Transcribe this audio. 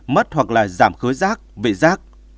mất hoặc giảm khứa rác vị rác